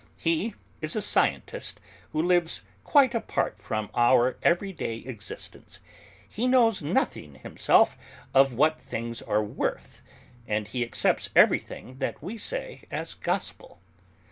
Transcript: He is a scientist who lives quite apart from our everyday existence; he knows nothing himself of what things are worth, and he accepts everything that we say as gospel."